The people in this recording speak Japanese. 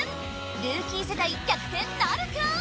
ルーキー世代逆転なるか！？